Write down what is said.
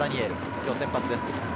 今日、先発です。